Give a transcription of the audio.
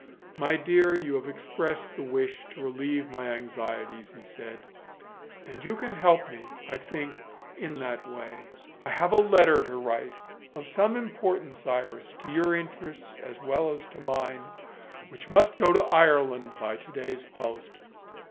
"My dear, you have expressed the wish to relieve my anxieties," he said; "and you can help me, I think, in that way. I have a letter to write of some importance, Iris, to your interests as well as to mine which must go to Ireland by to day's post.